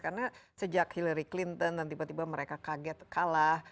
karena sejak hillary clinton tiba tiba mereka kaget kalah